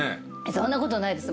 そんなことないです